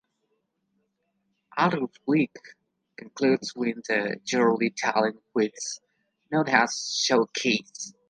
Arts Week concludes with the yearly talent quest known as Showcase.